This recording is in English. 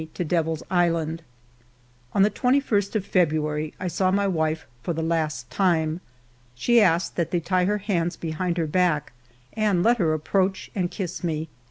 96 FIVE YEARS OF MY LIFE On the 2 1 St of February, I saw my wife for the last time. She asked that they tie her hands behind her back and let her approach and kiss me.